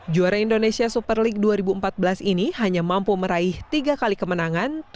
juara indonesia super league dua ribu empat belas ini hanya mampu meraih tiga kali kemenangan